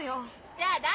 じゃあ誰？